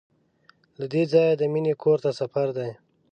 له دې ځایه د مینې کور ته سفر دی.